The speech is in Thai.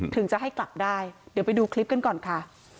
ถึงจะให้กลับได้เดี๋ยวไปดูคลิปกันก่อนค่ะ